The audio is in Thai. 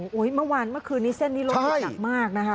โอ้โหเมื่อวานเมื่อคืนนี้เส้นนี้รถติดหนักมากนะคะ